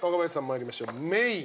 参りましょうメイン。